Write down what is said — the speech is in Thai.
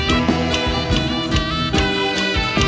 กลับไปที่นี่